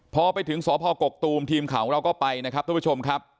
พอไปถึงสพกกตูมทีมข่าวของเราก็ไปนะครับทุกผู้ชมครับ